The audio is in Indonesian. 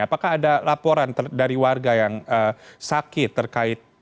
apakah ada laporan dari warga yang sakit terkait